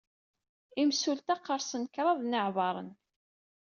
Imsulta qersen kraḍ n yiɛbaṛen.